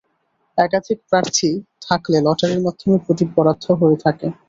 একাধিক প্রার্থী থাকলে লটারির মাধ্যমে প্রতীক বরাদ্দ হয়ে থাকে।